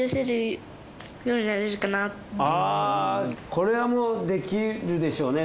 これはもうできるでしょうね。